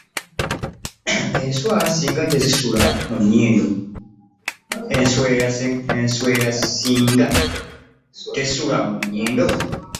Enswera ssinga tesula mu nnyindo!